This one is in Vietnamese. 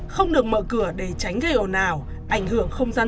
không được mở cửa để tránh gây ồn ào ảnh hưởng không dân